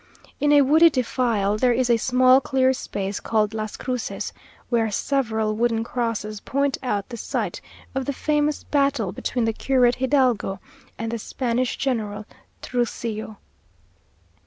In a woody defile there is a small clear space called "Las Cruces," where several wooden crosses point out the site of the famous battle between the curate Hidalgo and the Spanish General Truxillo.